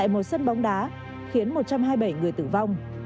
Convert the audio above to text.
tại một sân bóng đá khiến một trăm hai mươi bảy người tử vong